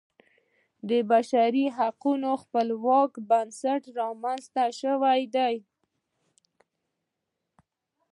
د بشرحقونو خپلواک کمیسیون رامنځته شوی دی.